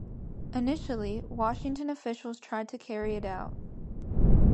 Initially Washington officials tried to carry it out.